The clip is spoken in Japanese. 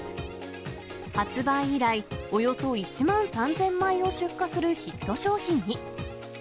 発売以来、およそ１万３０００枚を出荷するヒット商品に。